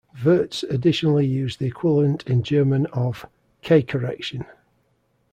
Wirtz additionally used the equivalent in German of "K correction".